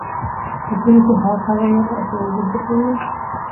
Һеҙҙең өсөн һауыт-һаба йыуырға — әсәйегеҙҙер шул мин.